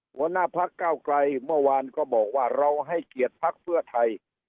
หัวหน้าพักเก้าไกลเมื่อวานก็บอกว่าเราให้เกียรติภักดิ์เพื่อไทย